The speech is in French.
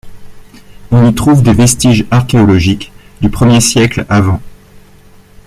On y trouve des vestiges archéologiques, du Ier siècle av.